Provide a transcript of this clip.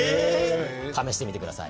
試してみてください。